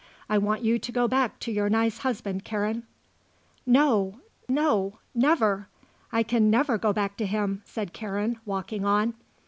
"I want you to go back to your nice husband, Karen." "No; no. Never. I can never go back to him," said Karen, walking on.